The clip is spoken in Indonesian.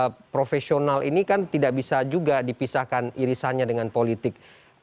karena profesional ini kan tidak bisa juga dipisahkan irisannya dengan politik